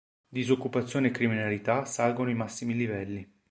Disoccupazione e criminalità salgono ai massimi livelli.